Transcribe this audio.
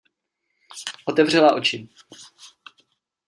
Otevřela oči.